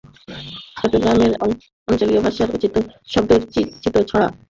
চট্টগ্রামের আঞ্চলিক ভাষায় রচিত স্বরচিত ছড়া পাঠ করেন লেখক সুব্রত চৌধুরি।